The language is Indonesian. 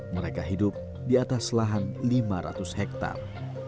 mereka hidup di atas lahan lima ratus hektare